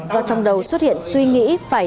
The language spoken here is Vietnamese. do trong đầu xuất hiện suy nghĩ phải